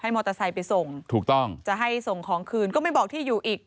มอเตอร์ไซค์ไปส่งถูกต้องจะให้ส่งของคืนก็ไม่บอกที่อยู่อีก